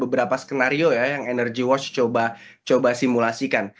beberapa skenario ya yang energy watch coba simulasikan